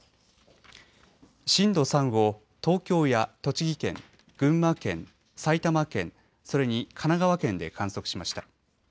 震度３を東京や栃木県群馬県、埼玉県それに神奈川県で観測しました。